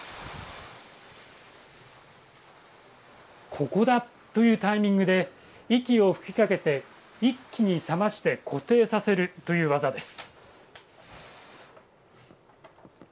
「ここだ！」というタイミングで息を吹きかけて一気に冷まして固定させるという技です。